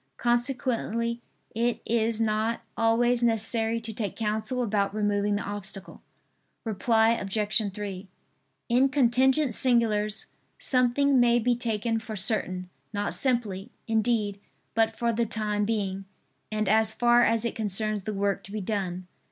Consequently it is not always necessary to take counsel about removing the obstacle. Reply Obj. 3: In contingent singulars, something may be taken for certain, not simply, indeed, but for the time being, and as far as it concerns the work to be done.